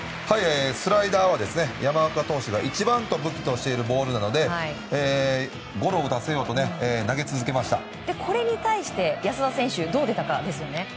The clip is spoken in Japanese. スライダーは山岡投手が一番の武器としているボールなのでゴロを打たせようとこれに対して安田選手がどう出たかですよね。